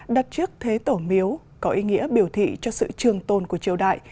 đặt trước thế tổ miếu có ý nghĩa biểu thị cho sự trương tôn của triều đại